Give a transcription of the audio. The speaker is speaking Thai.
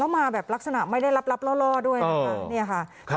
มาแบบลักษณะไม่ได้ลับล่อด้วยนะคะ